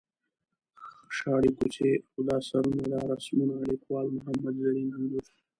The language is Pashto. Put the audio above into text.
شاړې کوڅې او دا سرونه دا رسمونه ـ لیکوال محمد زرین انځور.